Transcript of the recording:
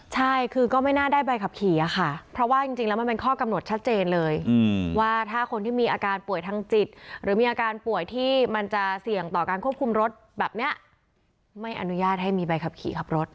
ใช่คือก็ไม่น่าได้ใบขับขี่อะค่ะเพราะว่าจริงแล้วมันเป็นข้อกำหนดชัดเจนเลยว่าถ้าคนที่มีอาการป่วยทางจิตหรือมีอาการป่วยที่มันจะเสี่ยงต่อการควบคุมรถแบบนี้ไม่อนุญาตให้มีใบขับขี่ขับรถ